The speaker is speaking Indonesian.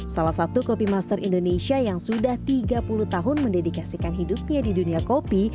salah satu kopi master indonesia yang sudah tiga puluh tahun mendedikasikan hidupnya di dunia kopi